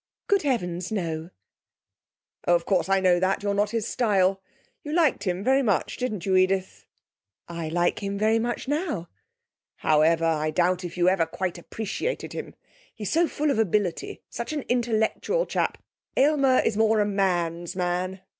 'Good heavens, no!' 'Oh, of course, I know that you're not his style. You liked him very much, didn't you, Edith?...' 'I like him very much now.' 'However, I doubt if you ever quite appreciated him. He's so full of ability; such an intellectual chap! Aylmer is more a man's man.